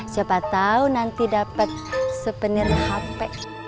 siapa tahu nanti dapat souvenir hp